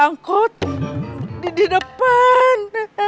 angkot di depan